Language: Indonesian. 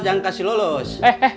jangan kasih lolos